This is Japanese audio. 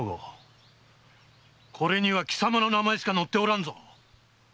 これには貴様の名前しか載っておらんぞ！